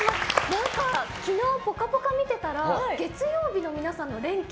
何か昨日、「ぽかぽか」見てたら月曜日の皆さんの連携